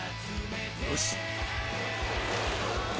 よし。